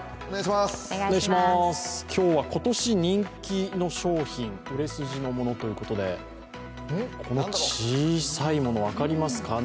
今日は今年人気の商品、売れ筋のものということでこの小さいもの、分かりますか？